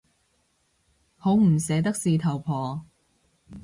好唔捨得事頭婆